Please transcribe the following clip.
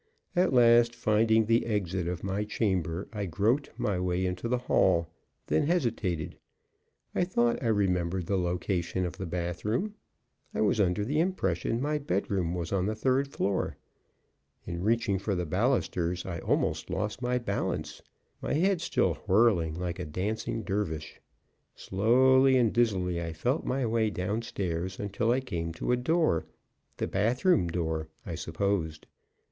At last, finding the exit of my chamber, I groped my way into the hall, then hesitated. I thought I remembered the location of the bath room; I was under the impression my bedroom was on the third floor. In reaching for the balusters, I almost lost my balance. My head still whirling like a dancing Dervish. Slowly and dizzily I felt my way down stairs until I came to a door the bath room door, I supposed.